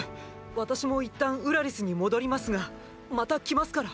私も一旦ウラリスに戻りますがまた来ますから。